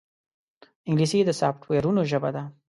انګلیسي د سافټویرونو ژبه ده